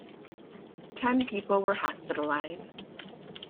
Ten people were hospitalised.